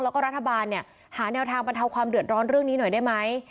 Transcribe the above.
แล้วก็รัฐบาลเนี่ยหาแนวทางบรรเทาความเดือดร้อนเรื่องนี้หน่อยได้ไหม